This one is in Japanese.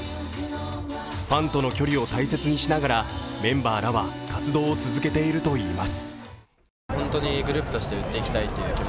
ファンとの距離を大切にしながらメンバーらは活動を続けているといいます。